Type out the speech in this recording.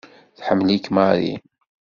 Tḥemmel-ik Mary.